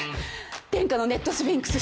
天下のネットスフィンクス。